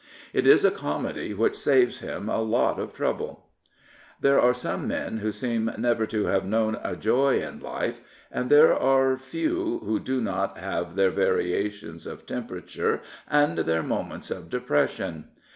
It is a comedy which saves him a lot of trouble. There are some men who seem never to have known a joy in life, and there are few who do not have their variations of temperature and their moments of de pression.